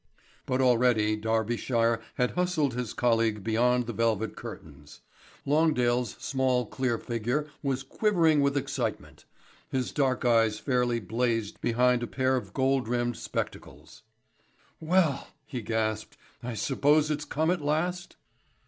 But already Darbyshire had hustled his colleague beyond the velvet curtains. Longdale's small clear figure was quivering with excitement. His dark eyes fairly blazed behind a pair of gold rimmed spectacles. "Well," he gasped, "I suppose it's come at last?"